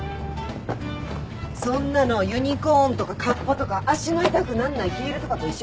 そんなのユニコーンとかカッパとか足の痛くなんないヒールとかと一緒で幻の存在でしょ。